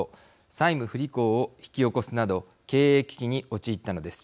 債務不履行を引き起こすなど経営危機に陥ったのです。